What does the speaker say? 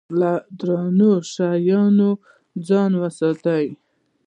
ایا له درندو شیانو ځان وساتم؟